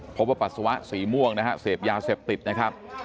ปัสสาวะสีม่วงนะฮะเสพยาเสพติดนะครับ